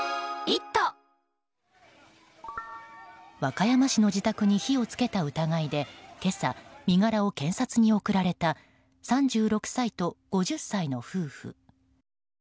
和歌山市の自宅に火を付けた疑いで今朝、身柄を検察に送られた３６歳と５０歳の夫婦。